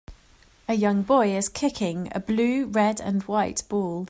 A young boy is kicking a blue, red and white ball.